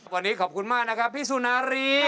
วันนี้ขอบคุณมากนะครับพี่สุนารี